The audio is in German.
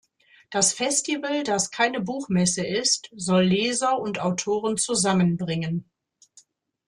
Das Festival, das keine Buchmesse ist, soll Leser und Autoren zusammenbringen.